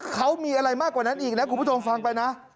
เขามีอะไรมากกว่านั้นอีกนะคุณผู้ชมฟังไปนะ